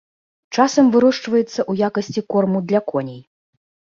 Часам вырошчваецца ў якасці корму для коней.